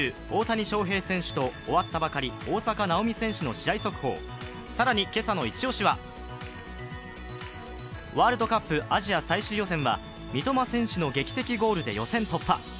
大谷翔平選手と、終わったばかり大坂なおみ選手の試合速報、更に今朝の一押しは、ワールドカップアジア最終予選は三笘選手の劇的ゴールで予選突破。